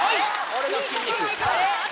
俺の筋肉さぁ！